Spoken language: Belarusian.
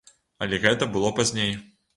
Але гэта было пазней.